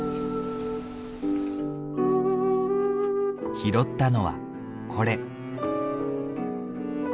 拾ったのはこれ。